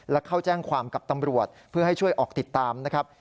และเข้าแจ้งความกับตำรวจเพื่อให้ช่วยออกติดตามนะครับ